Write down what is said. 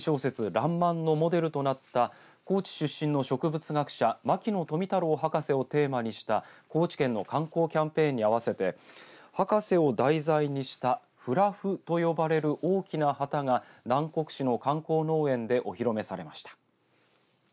らんまんのモデルとなった高知出身の植物学者牧野富太郎博士をテーマにした高知県の観光キャンペーンに合わせて博士を題材にしたフラフと呼ばれる大きな旗が南国市の観光農園でお披露目されました。